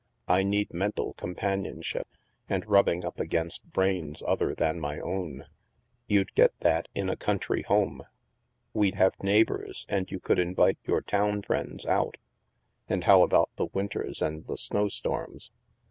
I need mental companionship, and rubbing up against brains other than my own." " You'd get that in a country home. We'd have neighbors, and you could invite your town friends out." " How about the winters and the snowstorms?